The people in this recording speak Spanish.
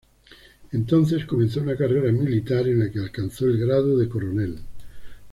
Entonces comenzó una carrera militar en la que alcanzó el grado de coronel.